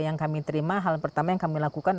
yang kami terima hal pertama yang kami lakukan